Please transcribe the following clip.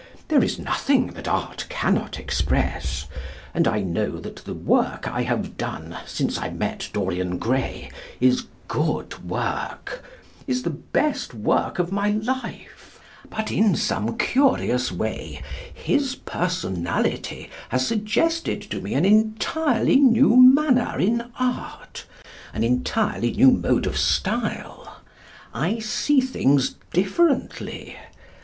There is nothing that Art cannot express, and I know that the work I have done, since I met Dorian Gray, is good work, is the best work of my life. But in some curious way ... his personality has suggested to me an entirely new manner in art, an entirely new mode of style. I see things differently.